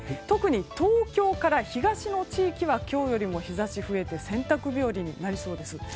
特に東京から東の地域は今日よりも日差しが増えて洗濯日和になりそうです。